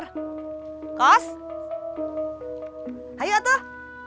hai kos hai atuh